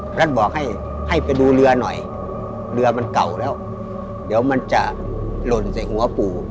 เพราะฉะนั้นบอกให้ให้ไปดูเรือหน่อยเรือมันเก่าแล้วเดี๋ยวมันจะหล่นใส่หัวปู่